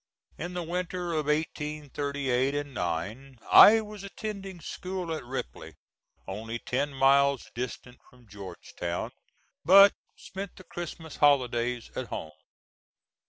In the winter of 1838 9 I was attending school at Ripley, only ten miles distant from Georgetown, but spent the Christmas holidays at home.